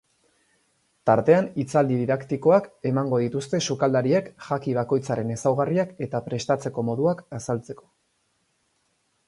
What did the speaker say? Tartean hitzaldi didaktikoak emango dituzte sukaldariek jaki bakoitzaren ezaugarriak eta prestatzeko moduak azaltzeko.